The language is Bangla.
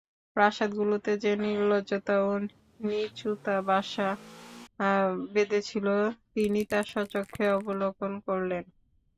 প্রাসাদগুলোতে যে নির্লজ্জতা ও নীচুতা বাসা বেঁধেছিল তিনি তা স্বচক্ষে অবলোকন করলেন।